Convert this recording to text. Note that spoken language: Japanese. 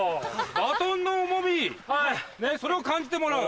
バトンの重みそれを感じてもらう。